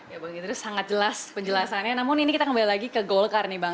ya bang idris sangat jelas penjelasannya namun ini kita kembali lagi ke golkar nih bang